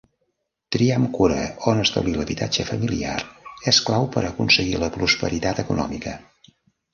Triar amb cura on establir l'habitatge familiar és clau per a aconseguir la prosperitat econòmica.